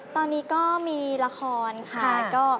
ตอนนี้ก็มีละครค่ะ